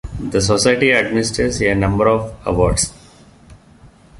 The society administers a number of awards.